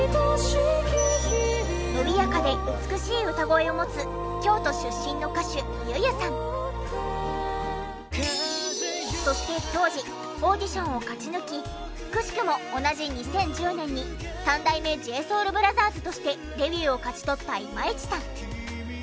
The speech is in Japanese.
伸びやかで美しい歌声を持つそして当時オーディションを勝ち抜きくしくも同じ２０１０年に三代目ＪＳＯＵＬＢＲＯＴＨＥＲＳとしてデビューを勝ち取った今市さん。